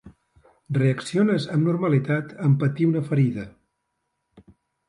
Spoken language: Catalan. Reacciones amb normalitat en patir una ferida.